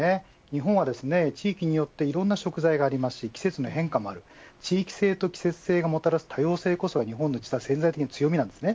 日本は地域によっていろんな食材がありますし季節の変化もある地域性と季節性がもたらす多様性こそが日本の持つ潜在的強みです。